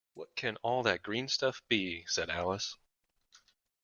‘What can all that green stuff be?’ said Alice.